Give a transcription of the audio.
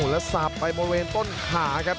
แล้วสาบไปบริเวณต้นขาครับ